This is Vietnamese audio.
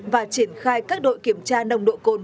và triển khai các đội kiểm tra nồng độ cồn